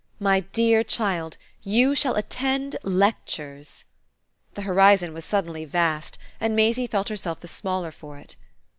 "My dear child, you shall attend lectures." The horizon was suddenly vast and Maisie felt herself the smaller for it.